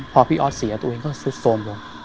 พอพี่ออสเสียตัวเองก็สุดโทรมลง